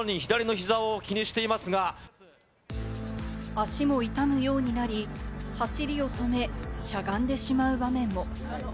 足も痛むようになり、走りを止め、しゃがんでしまう場面も。